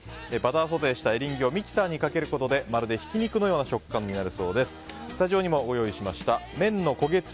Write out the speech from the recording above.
バターソテーしたエリンギをミキサーにかけることでまるで、ひき肉のような食感になるそうです。